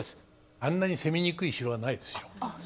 あんなに攻めにくい城はないですよ。